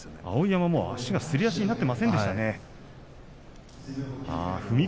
碧山も足がすり足になっていませんでしたね。